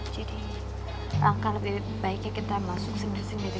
jadi langkah lebih baiknya kita masuk sendiri sendiri